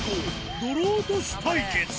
泥落とし対決。